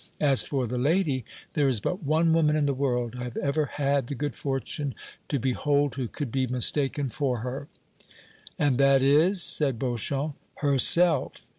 As for the lady there is but one woman in the world I have ever had the good fortune to behold who could be mistaken for her." "And that is?" said Beauchamp. "Herself."